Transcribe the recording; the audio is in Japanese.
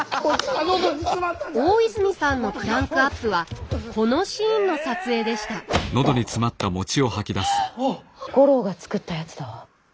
大泉さんのクランクアップはこのシーンの撮影でした五郎が作ったやつだわ。